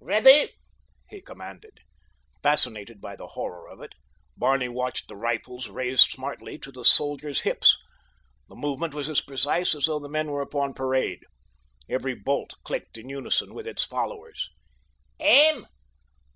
"Ready!" he commanded. Fascinated by the horror of it, Barney watched the rifles raised smartly to the soldiers' hips—the movement was as precise as though the men were upon parade. Every bolt clicked in unison with its fellows. "Aim!"